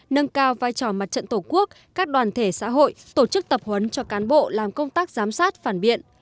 nâng cao vai trò mặt trận tổ quốc các đoàn thể xã hội tổ chức tập huấn cho cán bộ làm công tác giám sát phản biện